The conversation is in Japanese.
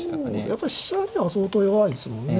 やっぱり飛車には相当弱いですもんね。